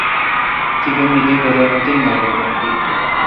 تپہ می دی برر اتاں پا گھن بیل۔